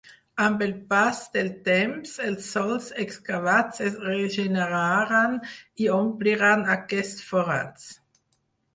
Amb el pas del temps, els sòls excavats es regeneraran i ompliran aquests forats.